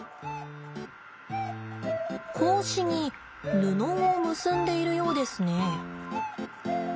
格子に布を結んでいるようですね。